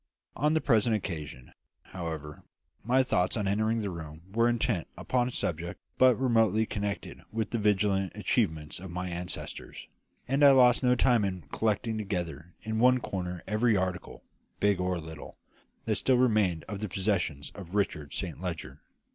On the present occasion, however, my thoughts on entering the room were intent upon a subject but remotely connected with the valiant achievements of my ancestors; and I lost no time in collecting together in one corner every article, big or little, that still remained of the possessions of Richard Saint Leger.